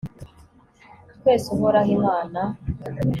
twese uhoraho imana